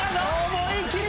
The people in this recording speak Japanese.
思い切り！